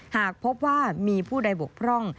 หากพบว่ามีผู้ใดบกพร่อง